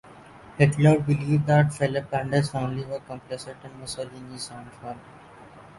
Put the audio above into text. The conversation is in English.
Hitler believed that Philipp and his family were complicit in Mussolini's downfall.